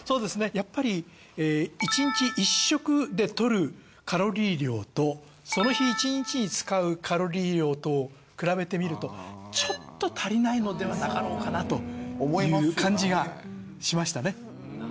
やっぱり１日１食で摂るカロリー量とその日１日に使うカロリー量とを比べてみるとちょっと足りないのではなかろうかなという感じがしましたね。